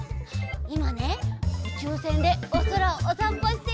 いまねうちゅうせんでおそらをおさんぽしているんだ！